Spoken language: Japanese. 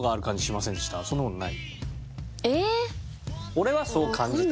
俺はそう感じた。